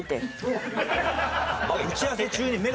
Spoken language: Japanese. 打ち合わせ中に目が？